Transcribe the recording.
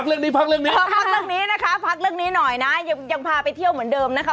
เออพักเรื่องนี้นะคะพักเรื่องนี้หน่อยนะยังพาไปเที่ยวเหมือนเดิมนะคะ